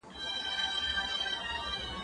زه هره ورځ ليک لولم،